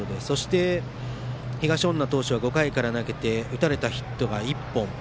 東恩納投手は５回から投げて打たれたヒットが１本。